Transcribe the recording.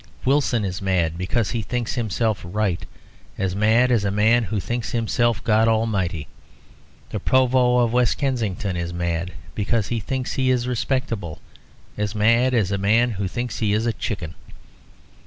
Wilson is mad, because he thinks himself right, as mad as a man who thinks himself God Almighty. The Provost of West Kensington is mad, because he thinks he is respectable, as mad as a man who thinks he is a chicken.